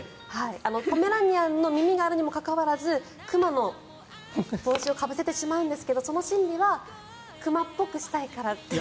ポメラニアンの耳があるにもかかわらず熊の帽子をかぶせてしまうんですがその心理は熊っぽくしたいからっていう。